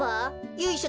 ゆいしょ